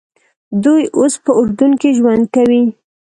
دوی اوس په اردن کې ژوند کوي.